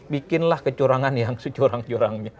bikinlah kecurangan yang securang curangnya